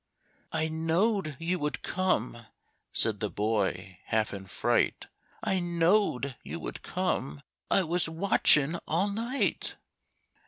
"I knowed you would come," said the boy, half in fright "I knowed you would come I was watchin' all night.